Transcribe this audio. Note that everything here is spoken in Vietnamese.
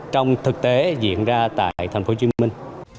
trong thực tế diễn ra tại thành phố hồ chí minh